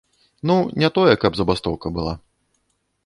Ну, не тое, каб забастоўка была.